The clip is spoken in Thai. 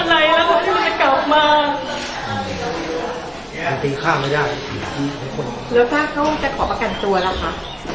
แล้วพี่จะกลับมาอาทิตย์ข้ามก็ได้แล้วถ้าเขาจะขอประกันตัวแล้วค่ะ